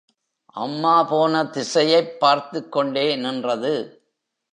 அம்மா போன திசையைப் பார்த்துக் கொண்டே நின்றது.